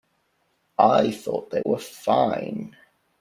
I thought they were fine.